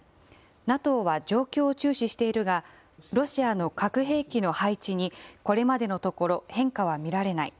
ＮＡＴＯは状況を注視しているが、ロシアの核兵器の配置にこれまでのところ変化は見られない。